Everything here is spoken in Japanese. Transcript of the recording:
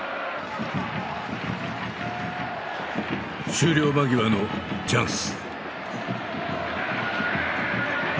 終了間際のチャンス。